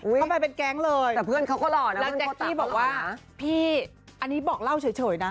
เข้าไปเป็นแก๊งเลยแล้วแจ๊กกี้บอกว่าพี่อันนี้บอกเล่าเฉยนะ